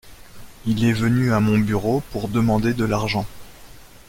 Il est venu à mon bureau pour demander de l’argent.